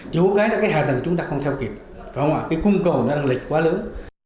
chủ nghĩa là hạ tầng chúng ta không theo kịp cung cầu đang lịch quá lớn